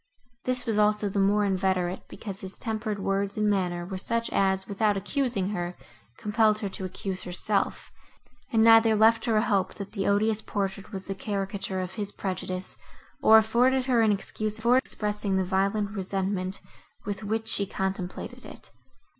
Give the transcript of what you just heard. This was also the more inveterate, because his tempered words and manner were such as, without accusing her, compelled her to accuse herself, and neither left her a hope, that the odious portrait was the caricature of his prejudice, or afforded her an excuse for expressing the violent resentment, with which she contemplated it.